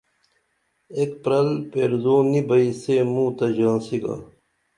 ایک پرل پیرزو نی بئی سے موں تہ ژاسی گا